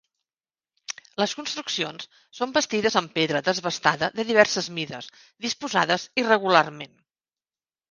Les construccions són bastides en pedra desbastada de diverses mides, disposades irregularment.